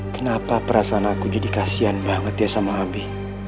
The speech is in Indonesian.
kenapa perasaan aku jadi kasian banget ya sama abi